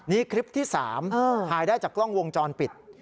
นี่คลิปที่๓ถ่ายได้จากกล้องวงจรปิด